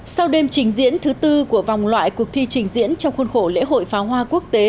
sau đêm trình diễn thứ tư của vòng loại cuộc thi trình diễn trong khuôn khổ lễ hội pháo hoa quốc tế